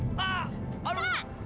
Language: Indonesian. aduh aduh pantan